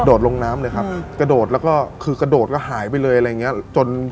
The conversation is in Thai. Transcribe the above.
ลงน้ำเลยครับกระโดดแล้วก็คือกระโดดก็หายไปเลยอะไรอย่างเงี้ยจน